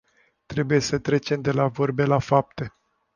Trebuie să trecem de la vorbe la fapte.